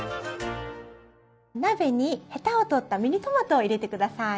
鍋にヘタを取ったミニトマトを入れて下さい。